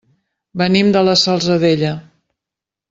Venim de la Salzadella.